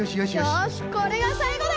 よしこれがさいごだ！